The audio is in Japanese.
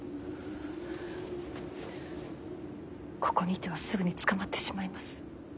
ここにいてはすぐに捕まってしまいます。